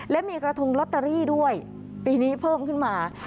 และมีกระทงลอตเตอรี่ด้วยปีนี้เพิ่มขึ้นมา